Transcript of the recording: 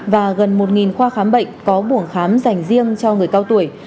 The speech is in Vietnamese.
và gần một khoa khám bệnh có buồng khám dành riêng cho người cao tuổi